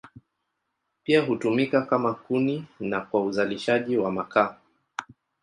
Pia hutumika kama kuni na kwa uzalishaji wa makaa.